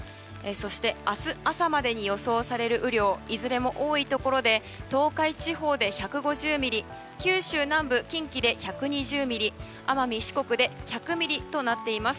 明日朝までに予想される雨量いずれも多いところで東海地方で１５０ミリ九州南部、近畿で１２０ミリ奄美、四国で１００ミリとなっています。